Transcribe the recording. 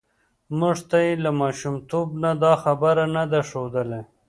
موږ ته یې له ماشومتوب نه دا خبره نه ده ښودلې